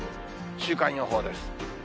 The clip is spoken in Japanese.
週間予報です。